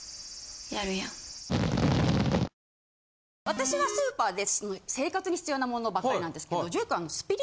私はスーパーで生活に必要なものばっかりなんですけどＪＯＹくんは。